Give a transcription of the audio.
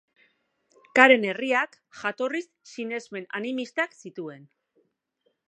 Karen herriak jatorriz sinesmen animistak zituen.